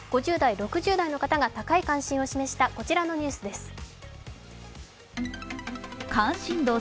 ５０代、６０代の方が高い関心を示したこちらのニュースです。